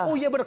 oh iya bener